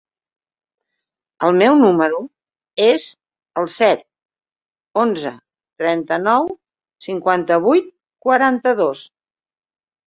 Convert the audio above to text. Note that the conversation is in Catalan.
El meu número es el set, onze, trenta-nou, cinquanta-vuit, quaranta-dos.